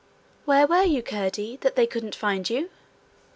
Where were you, Curdie, that they couldn't find you?'